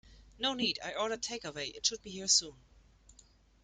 No need, I ordered take away, it should be here soon.